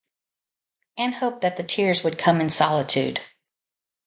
Anne hoped that the tears would come in solitude.